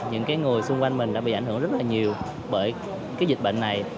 những người xung quanh mình đã bị ảnh hưởng rất là nhiều bởi dịch bệnh này